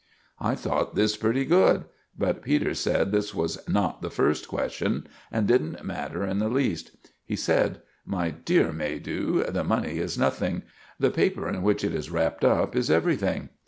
I thought this pretty good; but Peters said that this was not the first question, and didn't matter in the least. He said, "My dear Maydew, the money is nothing; the paper in which it is wrapped up is everything."